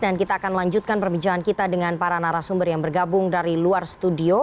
jadi kini saya ingin melanjutkan perbahangan kita dengan para narasumber yang bergabung dari luar studio